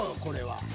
これは。